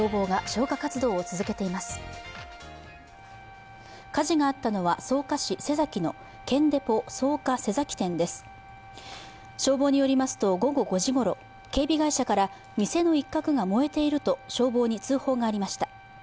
消防によりますと午後５時ごろ、警備会社から店の一角が燃えていると消防に通報がありました。